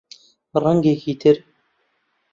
ڕەنگێکی تر